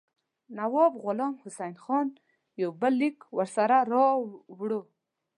نواب غلام حسین خان یو بل لیک ورسره راوړ.